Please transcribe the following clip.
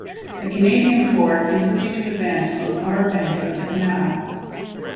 The Canadian Corps continued to advance on the far bank of the canal.